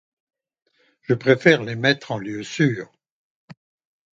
Je préfère les mettre en lieu sûr.